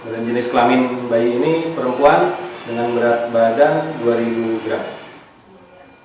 dan jenis kelamin bayi ini perempuan dengan berat badan dua ribu gram